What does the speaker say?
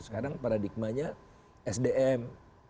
sekarang paradigmanya sdm